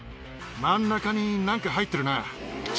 真ん中になんか入ってるな。